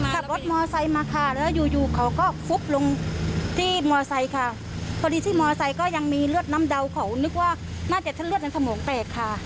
ขับรถมอไซค์มาค่ะแล้วอยู่อยู่เขาก็ฟุบลงที่มอไซค์ค่ะพอดีที่มอไซค์ก็ยังมีเลือดน้ำเดาเขานึกว่าน่าจะถ้าเลือดในสมองแตกค่ะ